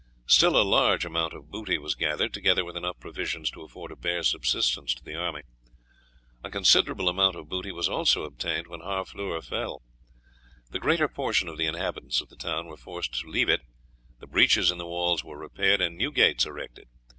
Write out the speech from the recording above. Still a large amount of booty was gathered, together with enough provisions to afford a bare subsistence to the army. A considerable amount of booty was also obtained when Harfleur fell. The greater portion of the inhabitants of the town were forced to leave it, the breaches in the walls were repaired and new gates erected.